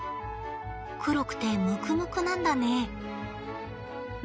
黒くてむくむくなんだね。